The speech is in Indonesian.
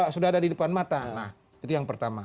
sudah ada di depan mata itu yang pertama